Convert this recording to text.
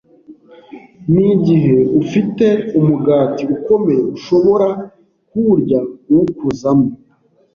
N’igihe ufite umugati ukomeye, ushobora kuwurya uwukozamo,